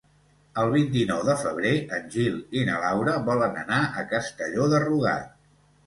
El vint-i-nou de febrer en Gil i na Laura volen anar a Castelló de Rugat.